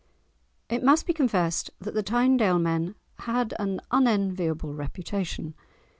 It must be confessed that the Tynedale men had an unenviable reputation.